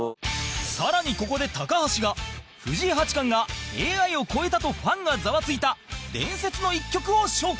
更に、ここで高橋が藤井八冠がＡＩを超えたとファンがざわついた伝説の１局を紹介